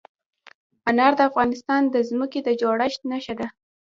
انار د افغانستان د ځمکې د جوړښت نښه ده.